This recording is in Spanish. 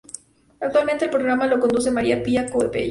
Actualmente el programa lo conduce María Pía Copello.